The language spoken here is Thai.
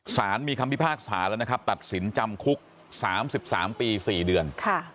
สารมีคำพิพากษาแล้วนะครับตัดสินจำคุก๓๓ปี๔เดือน